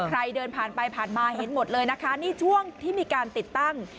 ใครเดินผ่านไปผ่านมาเห็นหมดเลยนะคะนี่ช่วงที่มีการติดตั้ง